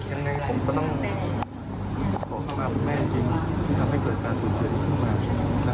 ยังไงผมก็ต้องขอขอบคุณแม่จริงที่ทำให้เกิดการสูญเสียดีขึ้นมานะครับ